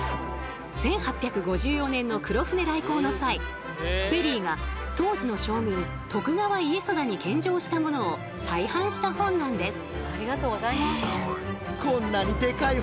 １８５４年の黒船来航の際ペリーが当時の将軍徳川家定に献上したものを再版した本なんです。